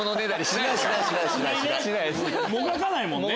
もがかないもんね。